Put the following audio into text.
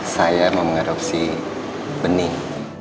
saya mau mengadopsi bening